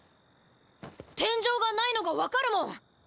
天井がないのが分かるもん！